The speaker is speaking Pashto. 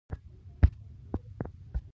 د جهاد او ښېګڼو په باره کې اعلامیې خپرې کړې.